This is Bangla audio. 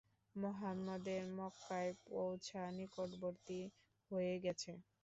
মুহাম্মাদের মক্কায় পৌঁছা নিকটবর্তী হয়ে গেছে।